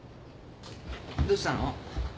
どしたの？